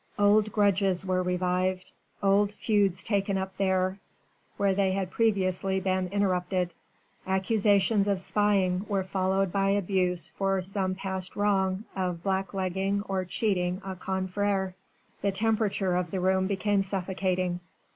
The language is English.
Old grudges were revived, old feuds taken up there, where they had previously been interrupted. Accusations of spying were followed by abuse for some past wrong of black legging or cheating a confrère. The temperature of the room became suffocating.